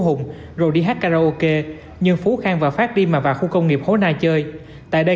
tùng rồi đi hát karaoke nhưng phú khang và phát đi mà vào khu công nghiệp hố nai chơi tại đây